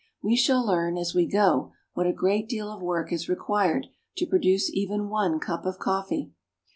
We shall learn, as we go, what a great deal of work is re quired to produce even one cup of cof fee.